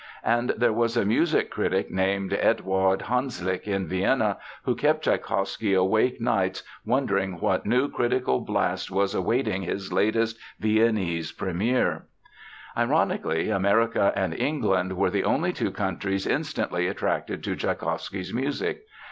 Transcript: And there was a music critic named Eduard Hanslick in Vienna who kept Tschaikowsky awake nights wondering what new critical blast was awaiting his latest Viennese première. Ironically, America and England were the only two countries instantly attracted to Tschaikowsky's music.